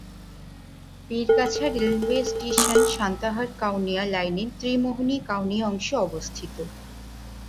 Pirgachha railway station Santahar-Kaunia লাইনের ত্রিমোহনী-কাউনিয়া অংশে অবস্থিত।